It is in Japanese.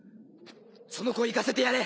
その子を行かせてやれ！